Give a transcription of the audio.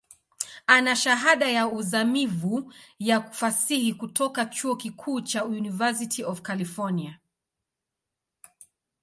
Ana Shahada ya uzamivu ya Fasihi kutoka chuo kikuu cha University of California.